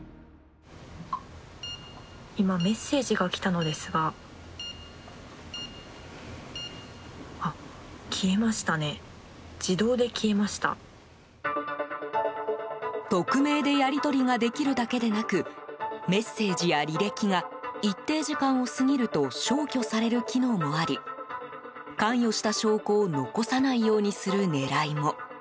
今、メッセージが来たのですが匿名でやり取りができるだけでなくメッセージや履歴が一定時間を過ぎると消去される機能もあり関与した証拠を残さないようにする狙いも。